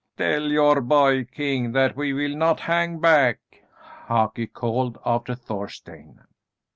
"Tell your boy king that we will not hang back," Haki called after Thorstein.